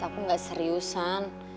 aku nggak seriusan